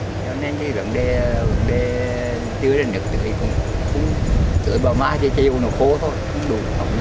cho nên chỉ vẫn để tưới để nước tưới tưới bỏ mát cho chiều nó khô thôi không đủ